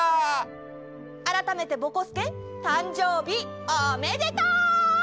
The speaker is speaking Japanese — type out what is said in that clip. あらためてぼこすけたんじょうびおめでとう！